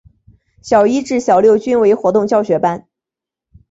小一至小六均为活动教学班。